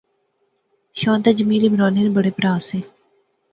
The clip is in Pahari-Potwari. شان تے جمیل عمرانے نے بڑے پرہا سے